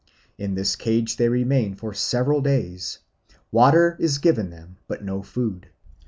In this cage they remain for several days. Water is given them, but no food.